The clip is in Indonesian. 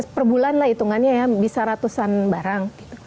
per bulan lah hitungannya ya bisa ratusan barang